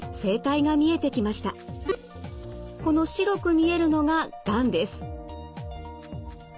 この白く見えるのががんです。